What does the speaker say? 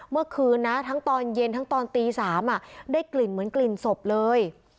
เมื่อคืนนะทั้งตอนเย็นทั้งตอนตี๓ได้กลิ่นเหมือนกลิ่นศพเลย